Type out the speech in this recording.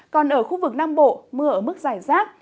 còn ở khu vực nam bộ mưa ở mức giải rác